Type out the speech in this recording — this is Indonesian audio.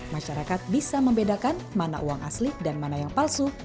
masyarakat bisa membedakan mana uang asli dan mana yang palsu